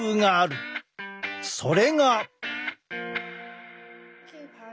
それが！